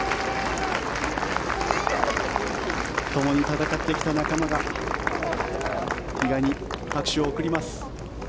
ともに戦ってきた仲間が比嘉に拍手を送ります。